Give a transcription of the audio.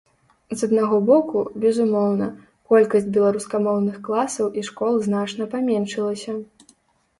З аднаго боку, безумоўна, колькасць беларускамоўных класаў і школ значна паменшылася.